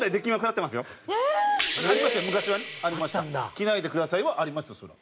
「着ないでください」はありましたそれは。